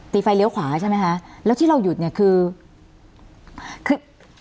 ไฟเลี้ยวขวาใช่ไหมคะแล้วที่เราหยุดเนี่ยคือคือ